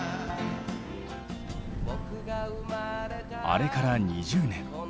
あれから２０年。